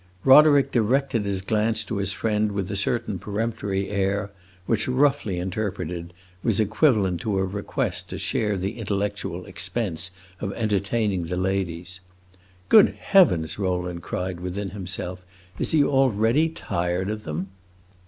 Roderick directed his glance to his friend with a certain peremptory air, which roughly interpreted was equivalent to a request to share the intellectual expense of entertaining the ladies. "Good heavens!" Rowland cried within himself; "is he already tired of them?"